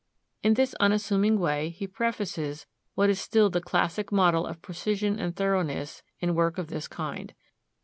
In this unassuming way he prefaces what is still the classic model of precision and thoroughness in work of this kind.